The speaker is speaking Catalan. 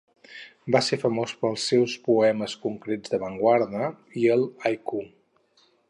Va ser famós pels seus poemes concrets d'avantguarda i el "haiku".